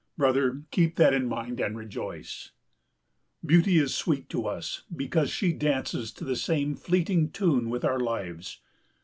Brother, keep that in mind and rejoice. Beauty is sweet to us, because she dances to the same fleeting tune with our lives.